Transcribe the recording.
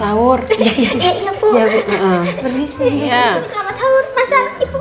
tuh tak adaremotionalnya